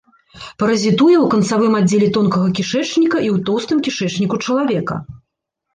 Паразітуе ў канцавым аддзеле тонкага кішэчніка і ў тоўстым кішэчніку чалавека.